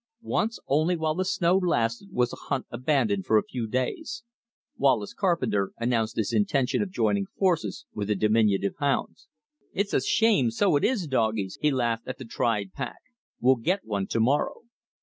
Once only while the snow lasted was the hunt abandoned for a few days. Wallace Carpenter announced his intention of joining forces with the diminutive hounds. "It's a shame, so it is, doggies!" he laughed at the tried pack. "We'll get one to morrow."